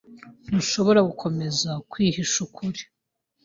Ntushobora gukomeza kwihisha ukuri.